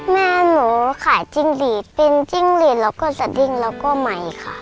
แม่หนูขายจริงดีเป็นจริงดีแล้วก็สะดิ้งแล้วก็ไม้ค่ะ